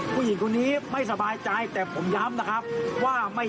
ผู้หญิงไม่สบายใจ